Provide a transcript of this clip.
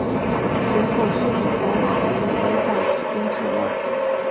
随后苏毗国王没庐赞起兵叛乱。